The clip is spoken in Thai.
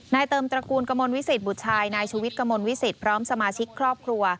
เติมตระกูลกระมวลวิสิตบุตรชายนายชูวิทย์กระมวลวิสิตพร้อมสมาชิกครอบครัว